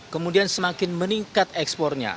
kemudian semakin meningkat ekspornya